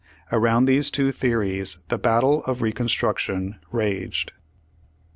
Around these two theories the battle of Reconstruction raged.